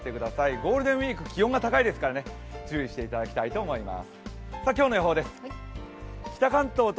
ゴールデンウイーク気温が高いですから注意していただきたいと思います